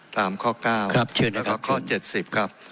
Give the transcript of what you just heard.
ตามข้อ๙และข้อ๗๐ครับ